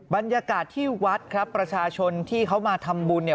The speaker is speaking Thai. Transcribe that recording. บรรยากาศที่วัดครับประชาชนที่เขามาทำบุญเนี่ย